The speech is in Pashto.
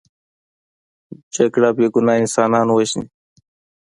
جګړه بې ګناه انسانان وژني